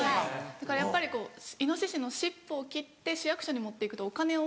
だからやっぱりイノシシの尻尾を切って市役所に持って行くとお金を。